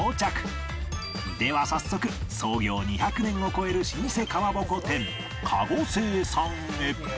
では早速創業２００年を超える老舗かまぼこ店籠さんへ